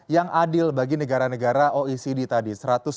yang adil bagi negara negara oecd tadi